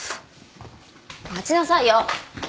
待ちなさいよ。